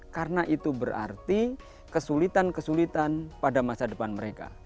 karena itu berarti kesulitan kesulitan pada masa depan mereka